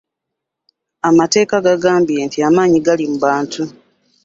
Amateeka gagamba nti amaanyi gali mu bantu.